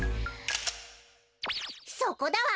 そこだわ！